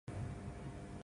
No audio.